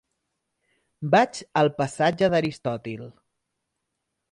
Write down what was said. Vaig al passatge d'Aristòtil.